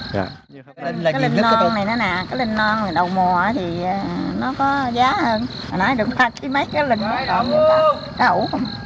cái linh non này đó nè cái linh non này đầu mùa thì nó có giá hơn hồi nãy được hai ba ký mấy cái linh nó còn nó đủ